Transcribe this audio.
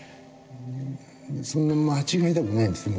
そんな間違いでもないんですね